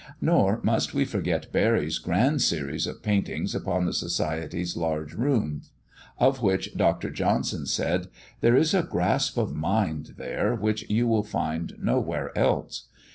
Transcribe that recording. Nor must we forget Barry's grand series of paintings upon the Society's large room; of which Dr. Johnson said, "there is a grasp of mind there, which you will find nowhere else."